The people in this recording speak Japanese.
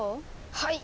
はい！